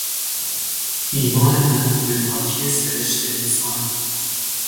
ایمان من به پاکی سرشت انسان